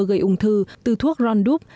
nguy cơ gây ung thư từ thuốc rondup